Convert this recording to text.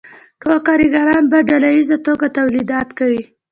ټول کارګران په ډله ییزه توګه تولیدات کوي